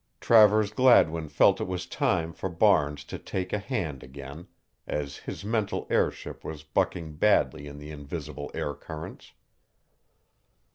Travers Gladwin felt it was time for Barnes to take a hand again, as his mental airship was bucking badly in the invisible air currents.